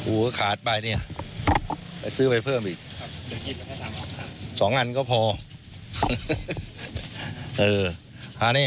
อู๋ขาดไปเนี่ยไปซื้อไปเพิ่มอีกสองอันก็พอเอออ่ะนี่